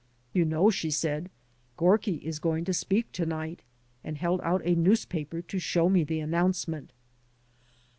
"You know," she said, "Gorky is going to speak to night,'' and held out a newspaper to show me the announcement.